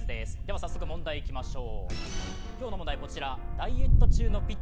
早速問題にいきまよう。